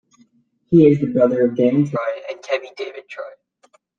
He is the brother of Dan Troy and Tevi David Troy.